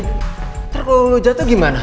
ntar kalau lo jatuh gimana